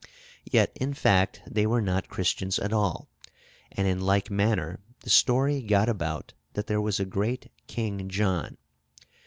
Yet, in fact, they were not Christians at all. And in like manner the story got about that there was a great King John.